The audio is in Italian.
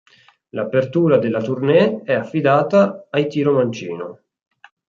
L'apertura della tournée è affidata ai Tiromancino.